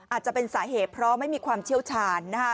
อาจจะเป็นสาเหตุเพราะไม่มีความเชี่ยวชาญ